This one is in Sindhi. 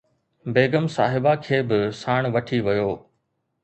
بيگم صاحبه کي به ساڻ وٺي ويو